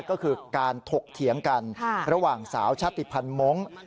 ก็คือการถกเถียงกันระหว่างสาวชาติภัณฑ์มงค์